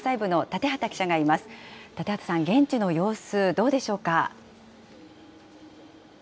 建畠さん、現地の様子どうでしょうか。